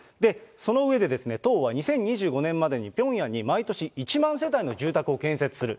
その上で、党は、２０２５年までに、ピョンヤンに毎年１万世帯の住宅を建設する。